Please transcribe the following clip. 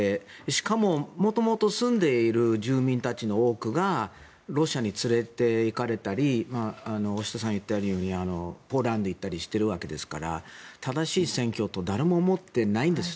しかも、もともと住んでいる住民たちの多くがロシアに連れていかれたり大下さんが言ったようにポーランドに行ったりしているわけですから正しい選挙とは誰も思っていないんです。